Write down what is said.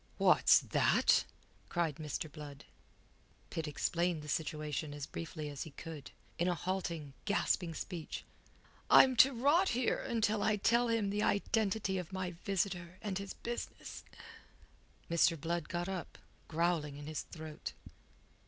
"What's that?" cried Mr. Blood. Pitt explained the situation as briefly as he could, in a halting, gasping speech. "I'm to rot here until I tell him the identity of my visitor and his business." Mr. Blood got up, growling in his throat.